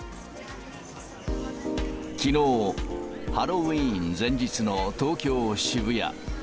きのう、ハロウィーン前日の東京・渋谷。